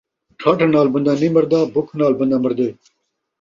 ٹھڈھ نال بندہ نئیں مردا، بکھ نال بندہ مردے